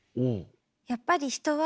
やっぱり人は。